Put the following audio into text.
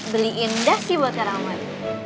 beliin dasi buat kak rahman